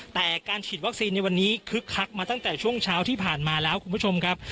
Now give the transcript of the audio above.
แต่การฉีดวัคซีนในวันนี้คึกคักมาตั้งแต่ช่วงเช้าที่ผ่านมาแล้วคุณผู้ชมครับ